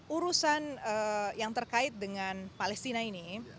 urusan yang terkait dengan palestina ini